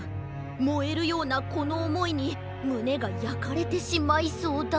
もえるようなこのおもいにむねがやかれてしまいそうだ。